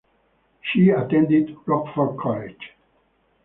She attended Rockford College.